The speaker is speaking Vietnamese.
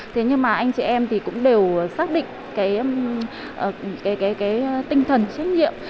thế nhưng mà anh chị em thì cũng đều xác định cái tinh thần trách nhiệm